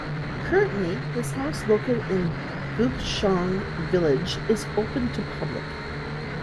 Currently his house located in Bukchon Village is open to public.